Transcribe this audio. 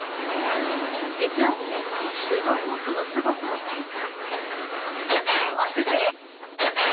実は、２年前有働もそのすごさを体感。